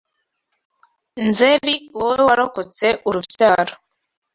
Nzeri wowe warokotse- Urubyaro